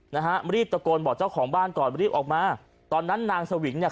นะฮะรีบตะโกนบอกเจ้าของบ้านก่อนรีบออกมาตอนนั้นนางสวิงเนี่ย